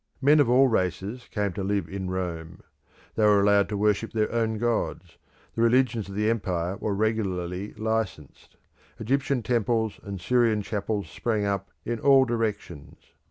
Men of all races came to live in Rome; they were allowed to worship their own gods; the religions of the empire were regularly licensed; Egyptian temples and Syrian chapels sprang up in all directions.